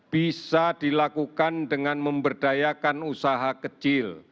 bisa dilakukan dengan memberdayakan usaha kecil